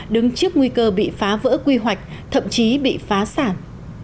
đứng trước nguy cơ bị phá vỡ quy hoạch thậm chí bị phá sản